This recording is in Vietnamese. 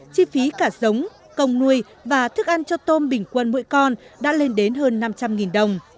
chi phí cả giống công nuôi và thức ăn cho tôm bình quân mỗi con đã lên đến hơn năm trăm linh đồng